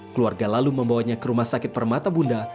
keluarga lalu membawanya ke rumah sakit permata bunda